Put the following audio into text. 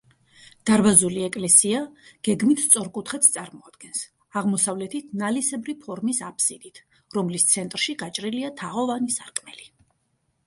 დარბაზული ეკლესია გეგმით სწორკუთხედს წარმოადგენს, აღმოსავლეთით ნალისებრი ფორმის აბსიდით, რომლის ცენტრში გაჭრილია თაღოვანი სარკმელი.